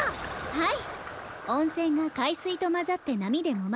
はい。